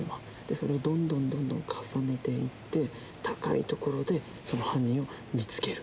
それをどんどんどんどん重ねて行って高い所で犯人を見つける。